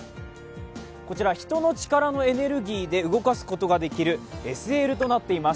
こちら、人の力のエネルギーで動かすことができるＳＬとなっています。